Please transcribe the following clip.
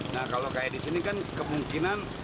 nah kalau kayak di sini kan kemungkinan